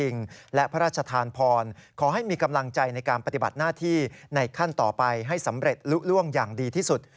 ในขั้นต่อไปให้สำเร็จลุกล่วงอย่างดีที่สุด